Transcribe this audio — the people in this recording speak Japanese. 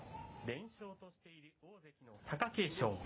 連勝としている大関の貴景勝。